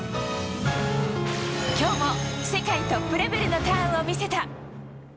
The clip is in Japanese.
今日も世界トップレベルのターンを見せた。